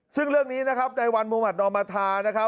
ซึ่งเรื่องนี้นะครับในวันมุมัตินอมธานะครับ